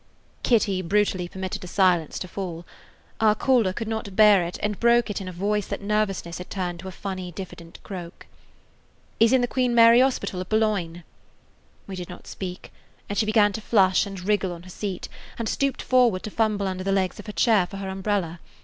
Kitty brutally permitted a silence to fall. Our caller could not bear it, and broke it in a voice that nervousness had turned to a funny, diffident croak. "He 's in the Queen Mary Hospital at Boulogne." We did not speak, and she began to flush and wriggle on her seat, and stooped forward to fumble under the legs of her chair for her umbrella.